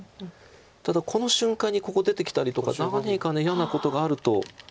ただこの瞬間にここ出てきたりとか何か嫌なことがあると。